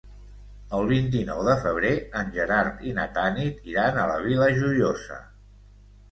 El vint-i-nou de febrer en Gerard i na Tanit iran a la Vila Joiosa.